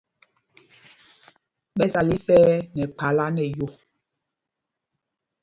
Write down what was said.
Ɓɛ sala isɛɛ nɛ kphālā nɛ yo.